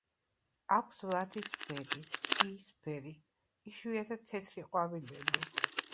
აქვს ვარდისფერი, იისფერი, იშვიათად თეთრი ყვავილები.